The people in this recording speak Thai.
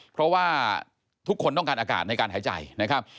เพราะว่าทุกคนต้องการอากาศในการหายใจนะครับ